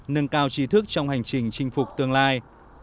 nâng cao trí thức trong hành trình chinh phục tương lai